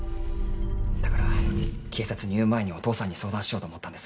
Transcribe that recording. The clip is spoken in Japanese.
だから警察に言う前にお父さんに相談しようと思ったんです。